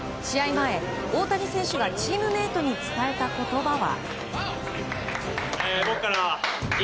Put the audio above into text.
前、大谷選手がチームメートに伝えた言葉は。